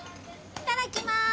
いただきます！